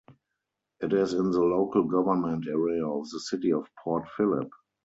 It is in the local government area of the City of Port Phillip.